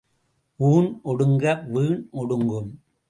ஊண் ஒடுங்க வீண் ஒடுங்கும்.